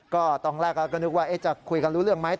ก็ตอนแรกก็นึกว่าจะคุยกันรู้เรื่องไหม